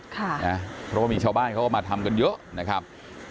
เพราะว่ามีชาวบ้านเขาก็มาทำกันเยอะนะครับ